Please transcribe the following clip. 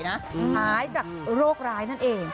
หายจากโรคร้ายนั่นเอง